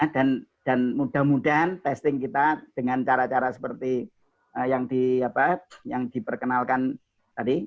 dan mudah mudahan testing kita dengan cara cara seperti yang diperkenalkan tadi